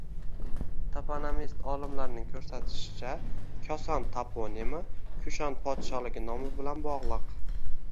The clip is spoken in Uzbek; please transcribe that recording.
Toponimist olimlarning ko‘rsatishicha, Koson toponimi Kushon podsholigi nomi bilan bog‘liq.